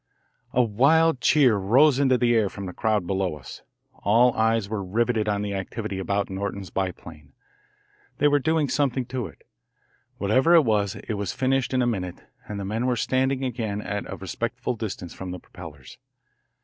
A wild cheer rose into the air from the crowd below us. All eyes were riveted on the activity about Norton's biplane. They were doing something to it. Whatever it was, it was finished in a minute and the men were standing again at a respectful distance from the propellers.